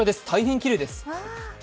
大変きれいです。